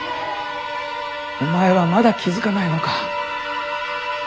お前はまだ気付かないのか。